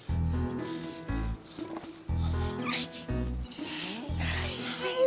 apa dua senang bunyi